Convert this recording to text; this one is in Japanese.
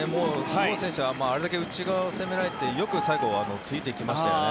杉本選手はあれだけ内側を攻められてよく最後ついていきましたよね。